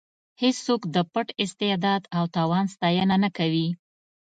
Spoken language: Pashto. هېڅوک د پټ استعداد او توان ستاینه نه کوي.